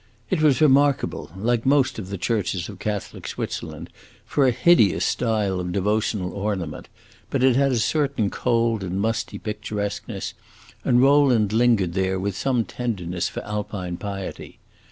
It was remarkable, like most of the churches of Catholic Switzerland, for a hideous style of devotional ornament; but it had a certain cold and musty picturesqueness, and Rowland lingered there with some tenderness for Alpine piety.